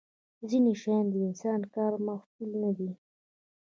ځینې شیان د انسان د کار محصول نه دي.